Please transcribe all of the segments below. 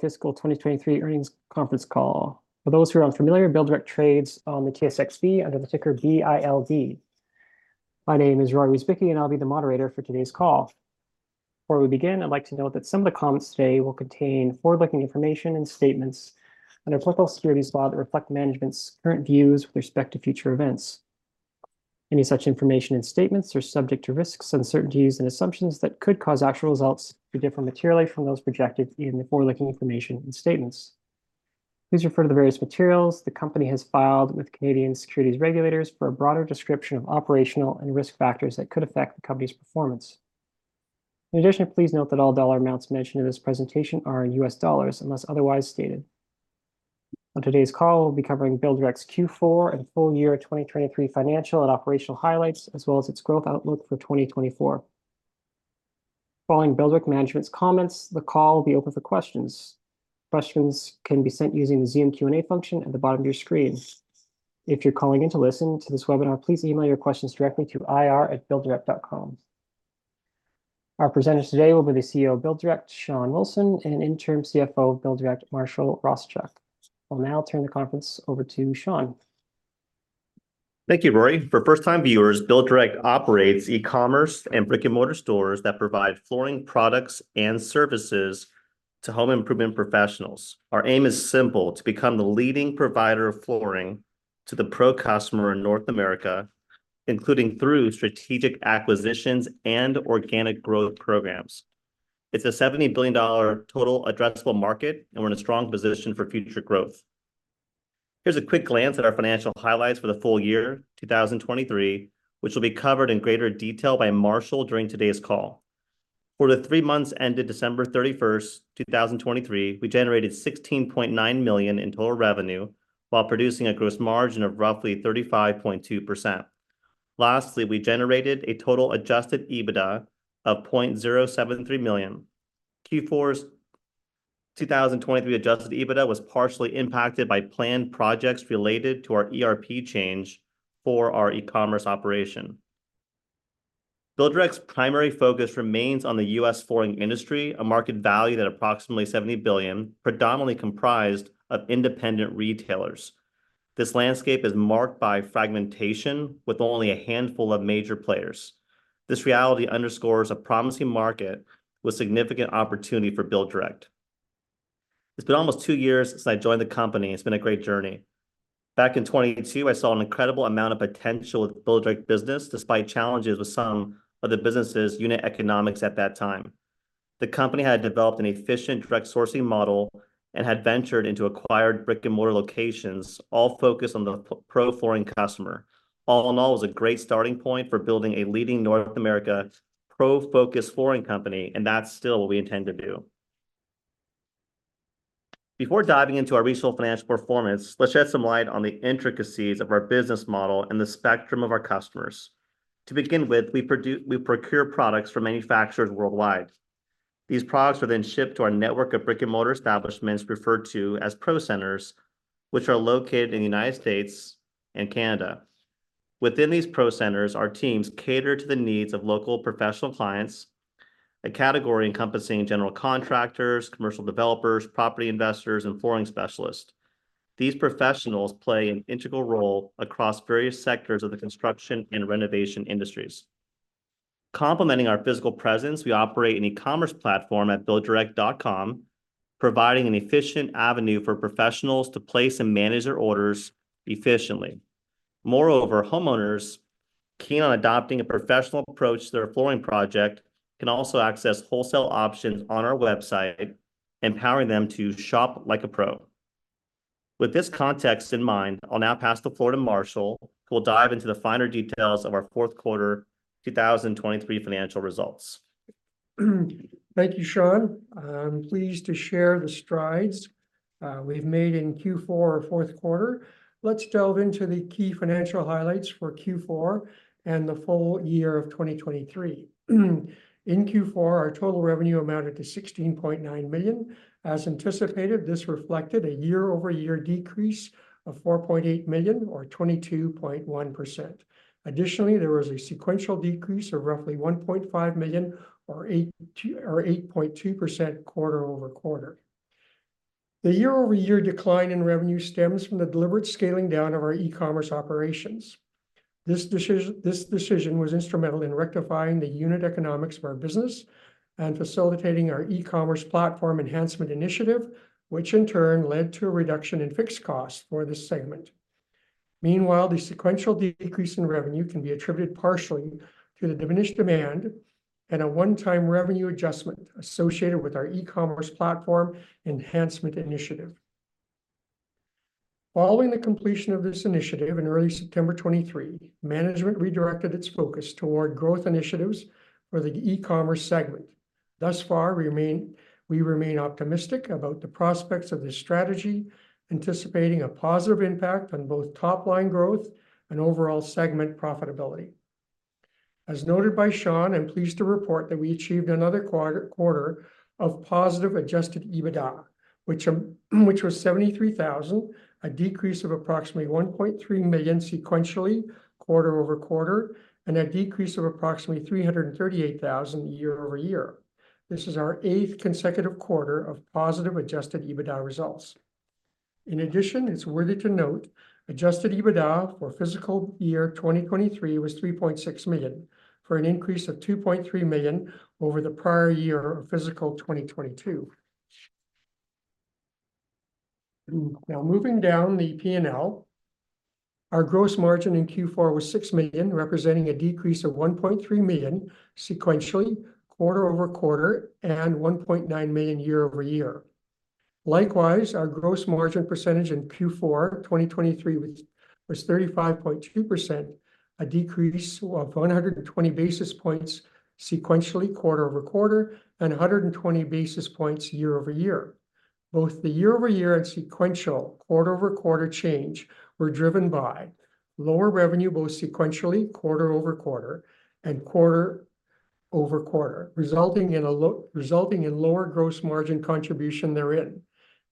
Fiscal 2023 Earnings Conference Call. For those who are unfamiliar, BuildDirect trades on the TSXV under the ticker BILD. My name is Rory Wizbicki, and I'll be the moderator for today's call. Before we begin, I'd like to note that some of the comments today will contain forward-looking information and statements under applicable securities law that reflect management's current views with respect to future events. Any such information and statements are subject to risks, uncertainties, and assumptions that could cause actual results to differ materially from those projected in the forward-looking information and statements. Please refer to the various materials the company has filed with Canadian securities regulators for a broader description of operational and risk factors that could affect the company's performance. In addition, please note that all dollar amounts mentioned in this presentation are in U.S. dollars, unless otherwise stated. On today's call, we'll be covering BuildDirect's Q4 and full year 2023 financial and operational highlights, as well as its growth outlook for 2024. Following BuildDirect management's comments, the call will be open for questions. Questions can be sent using the Zoom Q&A function at the bottom of your screen. If you're calling in to listen to this webinar, please email your questions directly to ir@builddirect.com. Our presenters today will be the CEO of BuildDirect, Shawn Wilson, and Interim CFO of BuildDirect, Marshall Rosichuk. I'll now turn the conference over to Shawn. Thank you, Rory. For first-time viewers, BuildDirect operates e-commerce and brick-and-mortar stores that provide flooring products and services to home improvement professionals. Our aim is simple, to become the leading provider of flooring to the pro customer in North America, including through strategic acquisitions and organic growth programs. It's a $70 billion total addressable market, and we're in a strong position for future growth. Here's a quick glance at our financial highlights for the full year 2023, which will be covered in greater detail by Marshall during today's call. For the three months ended December 31, 2023, we generated $16.9 million in total revenue while producing a gross margin of roughly 35.2%. Lastly, we generated a total adjusted EBITDA of $0.073 million. Q4's 2023 adjusted EBITDA was partially impacted by planned projects related to our ERP change for our e-commerce operation. BuildDirect's primary focus remains on the U.S. flooring industry, a market valued at approximately $70 billion, predominantly comprised of independent retailers. This landscape is marked by fragmentation, with only a handful of major players. This reality underscores a promising market with significant opportunity for BuildDirect. It's been almost two years since I joined the company, and it's been a great journey. Back in 2022, I saw an incredible amount of potential with BuildDirect business, despite challenges with some of the business' unit economics at that time. The company had developed an efficient direct sourcing model and had ventured into acquired brick-and-mortar locations, all focused on the pro flooring customer. All in all, it was a great starting point for building a leading North America pro-focused flooring company, and that's still what we intend to do. Before diving into our regional financial performance, let's shed some light on the intricacies of our business model and the spectrum of our customers. To begin with, we procure products from manufacturers worldwide. These products are then shipped to our network of brick-and-mortar establishments, referred to as Pro Centers, which are located in the United States and Canada. Within these Pro Centers, our teams cater to the needs of local professional clients, a category encompassing general contractors, commercial developers, property investors, and flooring specialists. These professionals play an integral role across various sectors of the construction and renovation industries. Complementing our physical presence, we operate an e-commerce platform at builddirect.com, providing an efficient avenue for professionals to place and manage their orders efficiently. Moreover, homeowners keen on adopting a professional approach to their flooring project can also access wholesale options on our website, empowering them to shop like a pro. With this context in mind, I'll now pass the floor to Marshall, who will dive into the finer details of our fourth quarter 2023 financial results. Thank you, Shawn. I'm pleased to share the strides we've made in Q4, or fourth quarter. Let's delve into the key financial highlights for Q4 and the full year of 2023. In Q4, our total revenue amounted to $16.9 million. As anticipated, this reflected a year-over-year decrease of $4.8 million, or 22.1%. Additionally, there was a sequential decrease of roughly $1.5 million or 8.2% quarter-over-quarter. The year-over-year decline in revenue stems from the deliberate scaling down of our e-commerce operations. This decision was instrumental in rectifying the unit economics of our business and facilitating our e-commerce platform enhancement initiative, which in turn led to a reduction in fixed costs for this segment. Meanwhile, the sequential decrease in revenue can be attributed partially to the diminished demand and a one-time revenue adjustment associated with our e-commerce platform enhancement initiative. Following the completion of this initiative in early September 2023, management redirected its focus toward growth initiatives for the e-commerce segment. Thus far, we remain optimistic about the prospects of this strategy, anticipating a positive impact on both top-line growth and overall segment profitability. As noted by Shawn, I'm pleased to report that we achieved another quarter of positive adjusted EBITDA, which was $73,000, a decrease of approximately $1.3 million sequentially, quarter-over-quarter, and a decrease of approximately $338,000 year-over-year. This is our eighth consecutive quarter of positive adjusted EBITDA results. In addition, it's worthy to note, Adjusted EBITDA for fiscal year 2023 was $3.6 million, for an increase of $2.3 million over the prior year of fiscal 2022. Now, moving down the P&L, our gross margin in Q4 was $6 million, representing a decrease of $1.3 million sequentially, quarter-over-quarter, and $1.9 million year-over-year. Likewise, our gross margin percentage in Q4 2023 was, was 35.2%, a decrease of 120 basis points sequentially quarter-over-quarter, and 120 basis points year-over-year. Both the year-over-year and sequential quarter-over-quarter change were driven by lower revenue, both sequentially quarter-over-quarter and quarter-over-quarter, resulting in lower gross margin contribution therein,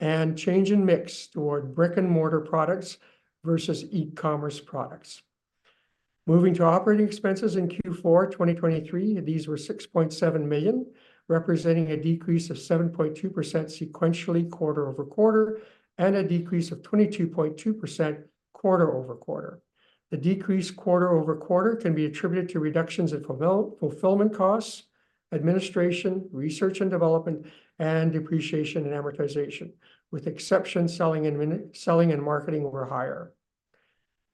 and change in mix toward brick-and-mortar products versus e-commerce products. Moving to operating expenses in Q4 2023, these were $6.7 million, representing a decrease of 7.2% sequentially quarter-over-quarter, and a decrease of 22.2% quarter-over-quarter. The decrease quarter-over-quarter can be attributed to reductions in fulfillment costs, administration, research and development, and depreciation and amortization, with exception, selling and marketing were higher.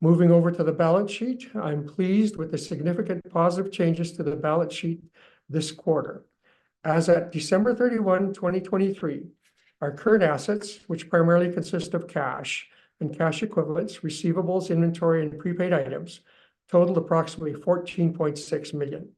Moving over to the balance sheet, I'm pleased with the significant positive changes to the balance sheet this quarter. As at December 31, 2023, our current assets, which primarily consist of cash and cash equivalents, receivables, inventory, and prepaid items, totaled approximately $14.6 million.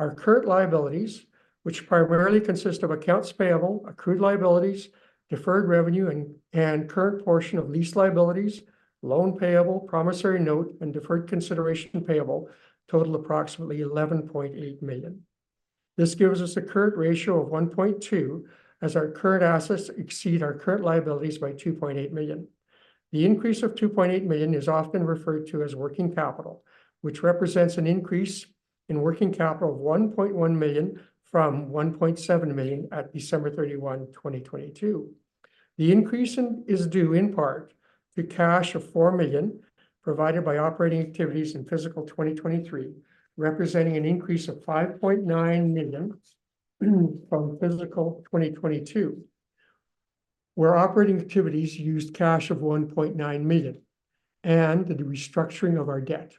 Our current liabilities, which primarily consist of accounts payable, accrued liabilities, deferred revenue, and current portion of lease liabilities, loan payable, promissory note, and deferred consideration payable, total approximately $11.8 million. This gives us a current ratio of 1.2, as our current assets exceed our current liabilities by $2.8 million. The increase of $2.8 million is often referred to as working capital, which represents an increase in working capital of $1.1 million from $1.7 million at December 31, 2022. The increase is due in part to cash of $4 million provided by operating activities in fiscal 2023, representing an increase of $5.9 million, from fiscal 2022, where operating activities used cash of $1.9 million and the restructuring of our debt.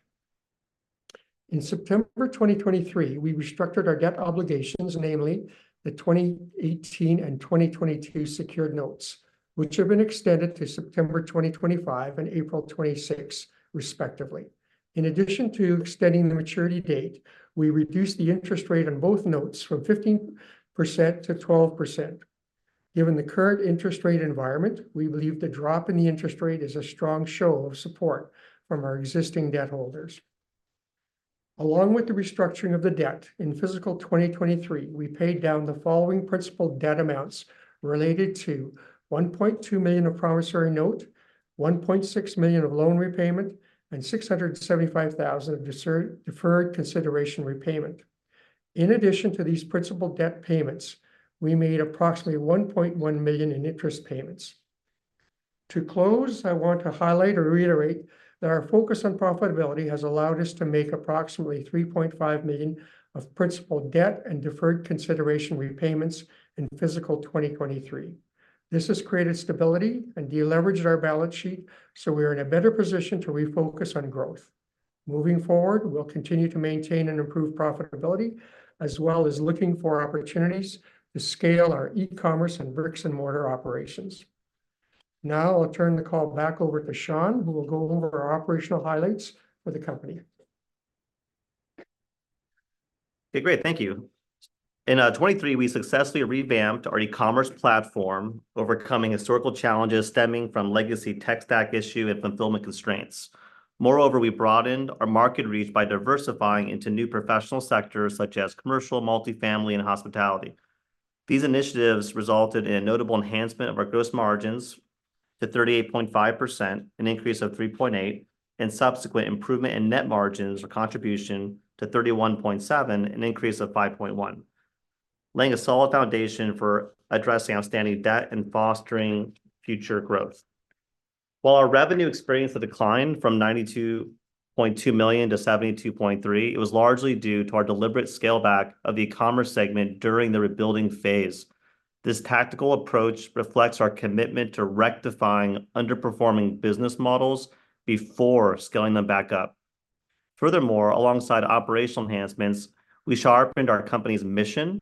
In September 2023, we restructured our debt obligations, namely the 2018 and 2022 secured notes, which have been extended to September 2025 and April 2026, respectively. In addition to extending the maturity date, we reduced the interest rate on both notes from 15% to 12%. Given the current interest rate environment, we believe the drop in the interest rate is a strong show of support from our existing debt holders. Along with the restructuring of the debt, in fiscal 2023, we paid down the following principal debt amounts related to $1.2 million of promissory note, $1.6 million of loan repayment, and $675,000 of deferred consideration repayment. In addition to these principal debt payments, we made approximately $1.1 million in interest payments. To close, I want to highlight or reiterate that our focus on profitability has allowed us to make approximately $3.5 million of principal debt and deferred consideration repayments in fiscal 2023. This has created stability and deleveraged our balance sheet, so we are in a better position to refocus on growth. Moving forward, we'll continue to maintain and improve profitability, as well as looking for opportunities to scale our e-commerce and bricks-and-mortar operations. Now, I'll turn the call back over to Shawn, who will go over our operational highlights for the company. Okay, great. Thank you. In 2023, we successfully revamped our e-commerce platform, overcoming historical challenges stemming from legacy tech stack issue and fulfillment constraints. Moreover, we broadened our market reach by diversifying into new professional sectors such as commercial, multifamily, and hospitality. These initiatives resulted in notable enhancement of our gross margins to 38.5%, an increase of 3.8, and subsequent improvement in net margins or contribution to 31.7, an increase of 5.1, laying a solid foundation for addressing outstanding debt and fostering future growth. While our revenue experienced a decline from $92.2 million to $72.3 million, it was largely due to our deliberate scale-back of the e-commerce segment during the rebuilding phase. This tactical approach reflects our commitment to rectifying underperforming business models before scaling them back up. Furthermore, alongside operational enhancements, we sharpened our company's mission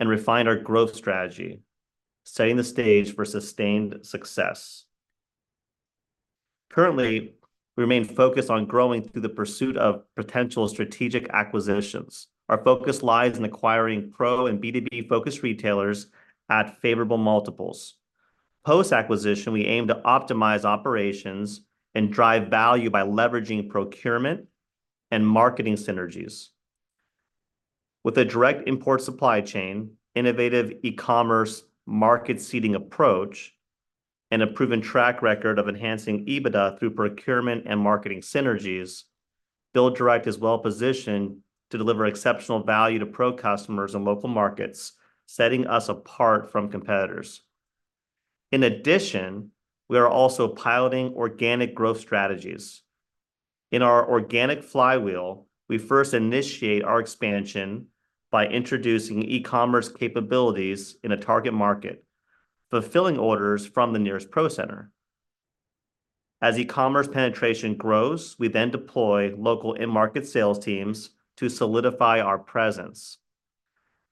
and refined our growth strategy, setting the stage for sustained success. Currently, we remain focused on growing through the pursuit of potential strategic acquisitions. Our focus lies in acquiring pro and B2B-focused retailers at favorable multiples. Post-acquisition, we aim to optimize operations and drive value by leveraging procurement and marketing synergies. With a direct import supply chain, innovative e-commerce market seeding approach, and a proven track record of enhancing EBITDA through procurement and marketing synergies, BuildDirect is well-positioned to deliver exceptional value to Pro customers in local markets, setting us apart from competitors. In addition, we are also piloting organic growth strategies. In our organic flywheel, we first initiate our expansion by introducing e-commerce capabilities in a target market, fulfilling orders from the nearest Pro Center. As e-commerce penetration grows, we then deploy local in-market sales teams to solidify our presence.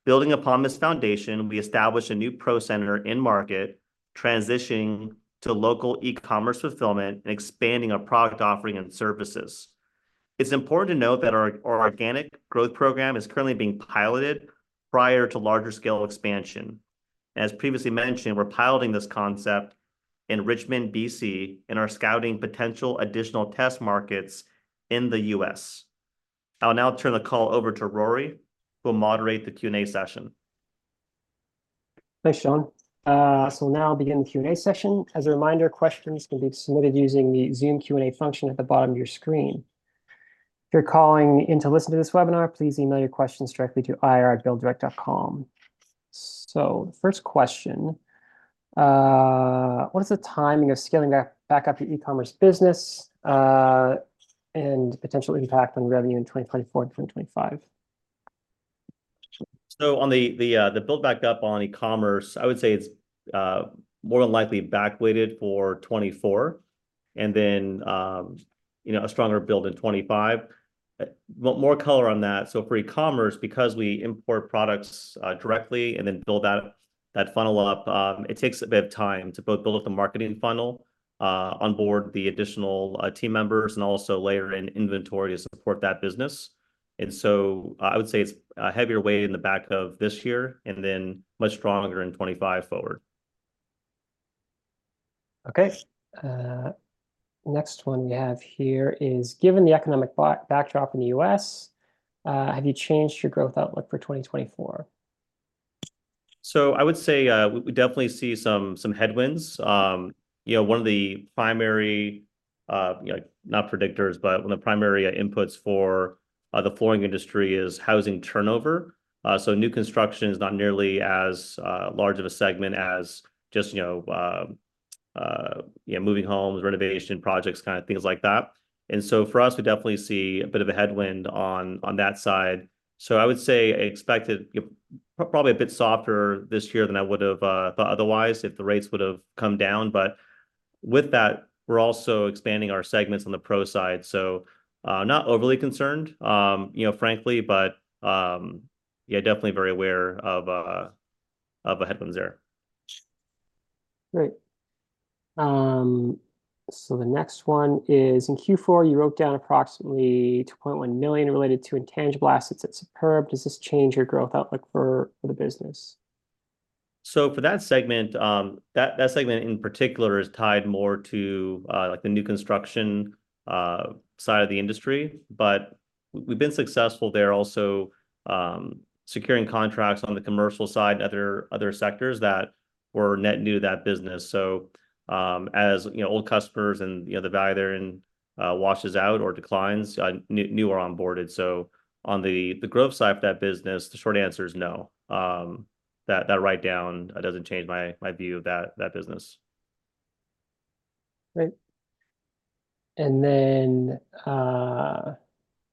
Building upon this foundation, we establish a new Pro Center in-market, transitioning to local e-commerce fulfillment and expanding our product offering and services. It's important to note that our organic growth program is currently being piloted prior to larger scale expansion. As previously mentioned, we're piloting this concept in Richmond, BC, and are scouting potential additional test markets in the U.S. I'll now turn the call over to Rory, who will moderate the Q&A session. Thanks, Shawn. So we'll now begin the Q&A session. As a reminder, questions can be submitted using the Zoom Q&A function at the bottom of your screen. If you're calling in to listen to this webinar, please email your questions directly to ir@builddirect.com. So the first question: What is the timing of scaling back, back up your e-commerce business, and potential impact on revenue in 2024 and 2025? So on the build back up on e-commerce, I would say it's more than likely back-weighted for 2024, and then a stronger build in 2025. More color on that, so for e-commerce, because we import products directly and then build out that funnel up, it takes a bit of time to both build up the marketing funnel, onboard the additional team members, and also layer in inventory to support that business. And so, I would say it's a heavier weight in the back half of this year, and then much stronger in 2025 forward. Okay. Next one we have here is: Given the economic backdrop in the U.S., have you changed your growth outlook for 2024? So I would say, we definitely see some headwinds. One of the primary, you know, not predictors, but one of the primary inputs for the flooring industry is housing turnover. So new construction is not nearly as large of a segment as just moving homes, renovation projects, things like that. And so for us, we definitely see a bit of a headwind on that side. So I would say I expected, probably a bit softer this year than I would've thought otherwise if the rates would've come down. But with that, we're also expanding our segments on the Pro side, so not overly concerned frankly, but yeah, definitely very aware of the headwinds there. Great. So the next one is, in Q4, you wrote down approximately $2.1 million related to intangible assets at Superb. Does this change your growth outlook for the business? So for that segment, that segment in particular is tied more to the new construction side of the industry. But we've been successful there also, securing contracts on the commercial side and other sectors that were net new to that business. So, as you know, old customers and the value they're in washes out or declines, new are onboarded. So on the growth side of that business, the short answer is no. That write down doesn't change my view of that business. Great. And then,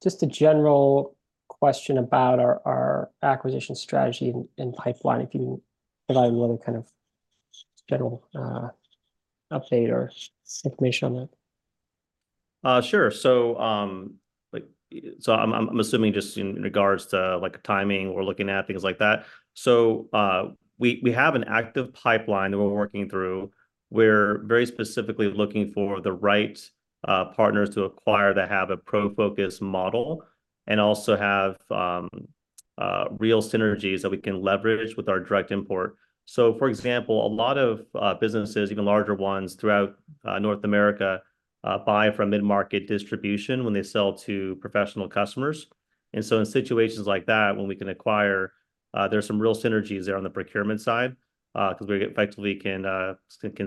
just a general question about our acquisition strategy and pipeline, if you can provide a little kind of general update or information on that? Sure. So, I'm assuming just in regards to timing, we're looking at things like that. We have an active pipeline that we're working through. We're very specifically looking for the right partners to acquire that have a pro focus model and also have real synergies that we can leverage with our direct import. So for example, a lot of businesses, even larger ones, throughout North America, buy from mid-market distribution when they sell to professional customers. And so in situations like that, when we can acquire, there are some real synergies there on the procurement side, because we effectively can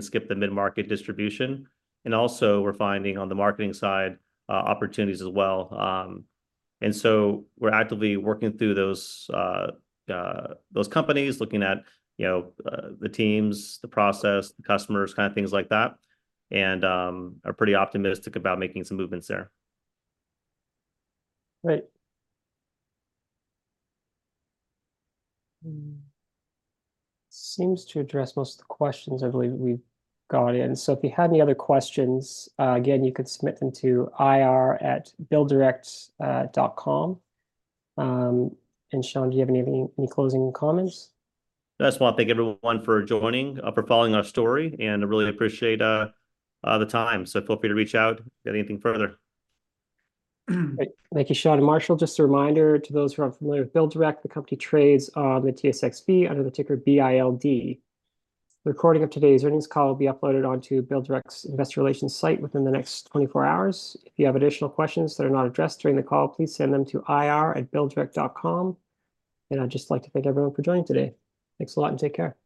skip the mid-market distribution. And also we're finding on the marketing side, opportunities as well. And so we're actively working through those companies, looking at the teams, the process, the customers, things like that, and are pretty optimistic about making some movements there. Great. Seems to address most of the questions I believe we've got in. So if you had any other questions, again, you could submit them to ir@builddirect.com. And Shawn, do you have any closing comments? I just want to thank everyone for joining, for following our story, and I really appreciate the time, so feel free to reach out with anything further. Thank you, Shawn and Marshall. Just a reminder to those who are unfamiliar with BuildDirect, the company trades on the TSXV under the ticker BILD. The recording of today's earnings call will be uploaded onto BuildDirect's investor relations site within the next 24 hours. If you have additional questions that are not addressed during the call, please send them to ir@builddirect.com. And I'd just like to thank everyone for joining today. Thanks a lot, and take care.